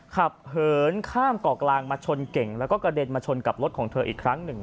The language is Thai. เหินข้ามเกาะกลางมาชนเก่งแล้วก็กระเด็นมาชนกับรถของเธออีกครั้งหนึ่ง